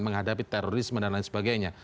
menghadapi terorisme dan lain sebagainya